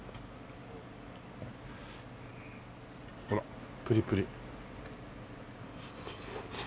ほらプリプリ。